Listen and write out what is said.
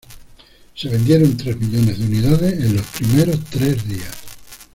Se vendieron tres millones de unidades en los primeros tres días.